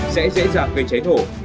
sẽ dễ dàng gây cháy nổ